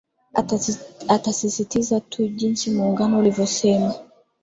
atasisitiza tu jinsi muugano uliovysema